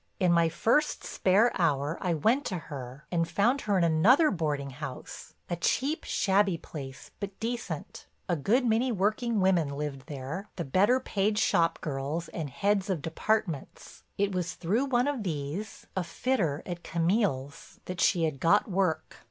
In my first spare hour I went to her and found her in another boarding house, a cheap, shabby place, but decent. A good many working women lived there, the better paid shop girls and heads of departments. It was through one of these, a fitter, at Camille's, that she had got work.